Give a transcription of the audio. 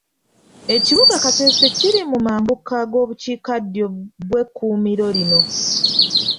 Ekibuga Kasese kiri mu mambuka g'obukiikaddyo bw'ekkuumiro lino